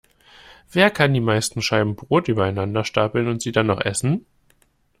Wer kann die meisten Scheiben Brot übereinander stapeln und sie dann noch essen?